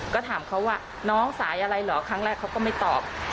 ก็ถามเขาว่าน้องสายอะไรเหรอครั้งแรกเขาก็ไม่ตอบ